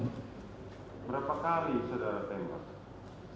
berapa kali saudara tembak